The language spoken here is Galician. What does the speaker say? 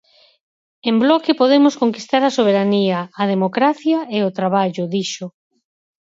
En Bloque Podemos conquistar a Soberanía, a Democracia e o Traballo, dixo.